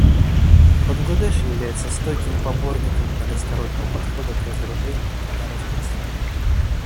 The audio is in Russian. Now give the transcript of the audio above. Бангладеш является стойким поборником многостороннего подхода к разоружению и нераспространению.